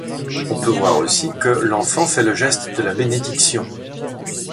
On peut voir aussi que l'Enfant fait le geste de la bénédiction.